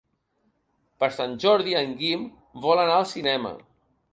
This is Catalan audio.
Per Sant Jordi en Guim vol anar al cinema.